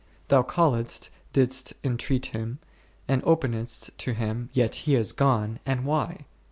Thou calledst, didst entreat Him, and openedst to Him, yet He is gone, and why